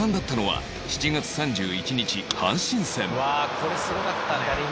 これすごかったね」